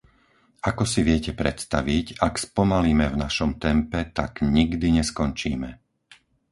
Ako si viete predstaviť, ak spomalíme v našom tempe, tak nikdy neskončíme.